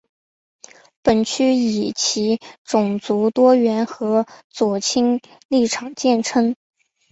本区以其种族多元和左倾立场见称。